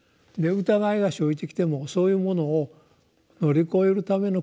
疑いが生じてきてもそういうものを乗り越えるための工夫というのがね